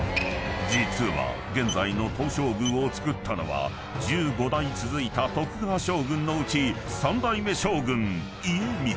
［実は現在の東照宮を造ったのは１５代続いた徳川将軍のうち３代目将軍家光］